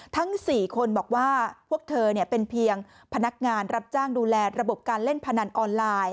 ทั้ง๔คนบอกว่าพวกเธอเป็นเพียงพนักงานรับจ้างดูแลระบบการเล่นพนันออนไลน์